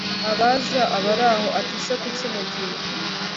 Abaza abaraho ati se kuki mugiye